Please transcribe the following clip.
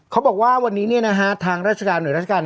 เขาบอกว่าวันนี้ทางเหนือราชการ